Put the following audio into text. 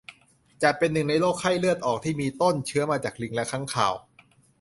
จัดเป็นหนึ่งในโรคไข้เลือดออกที่มีต้นเชื้อมาจากลิงและค้างคาว